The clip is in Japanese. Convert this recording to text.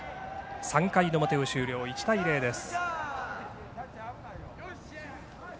３回の表を終了、１対０です。